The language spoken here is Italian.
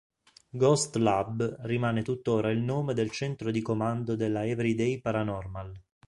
Ghost Lab rimane tuttora il nome del centro di comando della Everyday Paranormal.